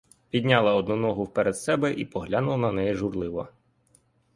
Підняла одну ногу вперед себе і поглянула на неї журливо.